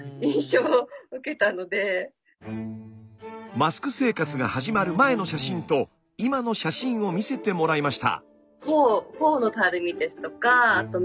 マスク生活が始まる前の写真と今の写真を見せてもらいました。